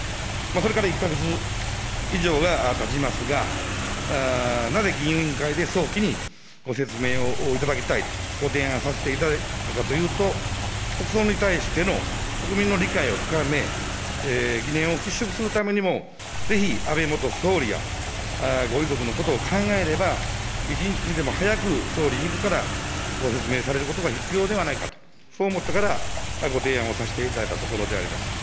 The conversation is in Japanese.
それから１か月以上がたちますが、なぜ議院運営委員会で早期にご説明をいただきたいとご提案させていただいたかというと、国葬に対しての国民の理解を深め、疑念を払拭するためにも、ぜひ、安倍元総理やご遺族のことを考えれば、一日でも早く総理みずからご説明されることが必要ではないかと、そう思ったからご提案をさせていただいたところであります。